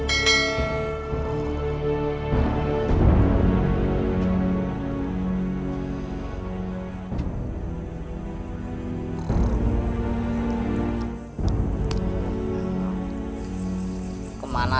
jangan lupa untuk berlangganan